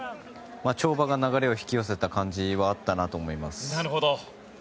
跳馬が流れを引き寄せた感じはあったなと思います。